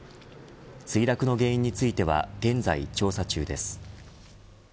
墜落の原因については現在、調査中です。